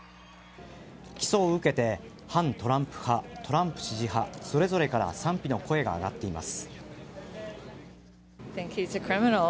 起訴を受けて、反トランプ派トランプ支持派それぞれから賛否の声が上がっています。